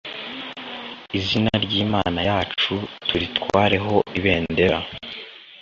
izina ry’Imana yacu turitwareho ibendera